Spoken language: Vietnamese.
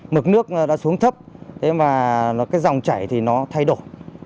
mực nước đã xuống thấp thế mà cái dòng chảy thì nó thay đổi